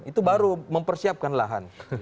itu baru mempersiapkan lahan